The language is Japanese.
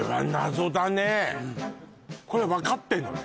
これ分かってんのね